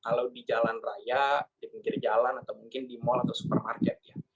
kalau di jalan raya di pinggir jalan atau mungkin di mall atau supermarket ya